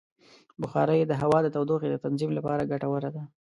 بخاري د هوا د تودوخې د تنظیم لپاره ګټوره ده.